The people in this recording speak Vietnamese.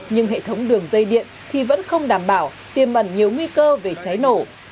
nhưng hệ thống đường dây điện thì vẫn không đảm bảo tiềm ẩn nhiều nguy cơ về cháy nổ